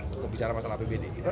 untuk bicara masalah apbd gitu aja